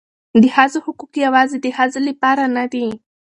د ښځو حقوق یوازې د ښځو لپاره نه دي.